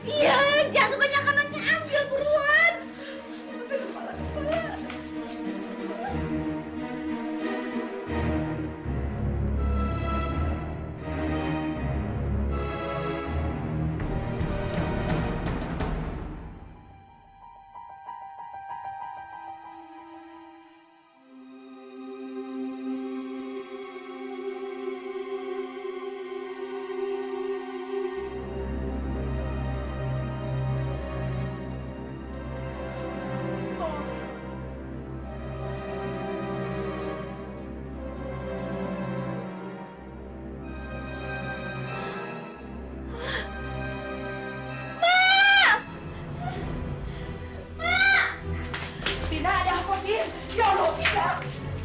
iya jangan banyak nanya ambil buruan